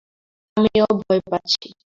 আমিও ভয় পাচ্ছি।